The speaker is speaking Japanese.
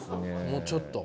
もうちょっと。